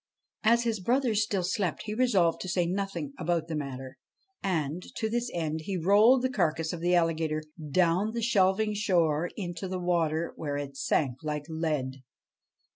As his brothers still slept he resolved to say nothing about the matter, and, to this end, he rolled the carcase of the alligator down the shelving shore into the water, where it sank like lead.